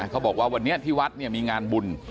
เขาบอกว่าวันนี้ที่วัดมีงานบุญ